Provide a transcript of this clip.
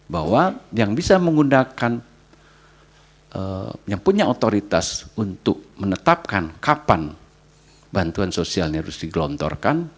bahwa yang bisa menggunakan yang punya otoritas untuk menetapkan kapan bantuan sosialnya harus digelontorkan